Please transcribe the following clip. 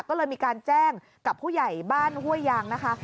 ก็เลยมีการแจ้งกับผู้ใหญ่บ้านห้วยยางนะคะ